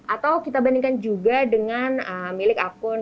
atau kita bandingkan juga dengan milik akun